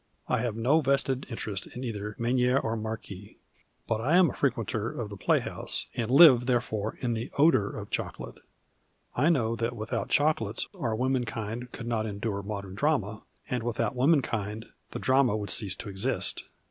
I have no vested interest in cither Menier or Marquis. But I am a frequenter of the playhouse, and live, therefore, in the odour of chocolate. I know that without chocolates our 68 THE CHOCOLATE DRAMA womenkind could not endure our modern drama ; and without womenkind the drama would cease to exist.